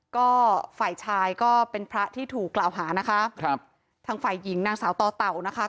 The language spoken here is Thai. ก็ฝ่ายชายก็เป็นพระที่ถูกกล่าวหานะคะครับทางฝ่ายหญิงนางสาวต่อเต่านะคะ